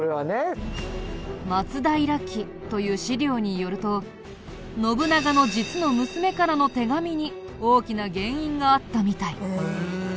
『松平記』という史料によると信長の実の娘からの手紙に大きな原因があったみたい。